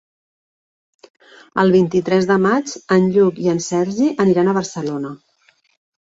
El vint-i-tres de maig en Lluc i en Sergi aniran a Barcelona.